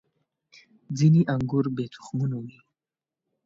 • ځینې انګور بې تخمونو وي.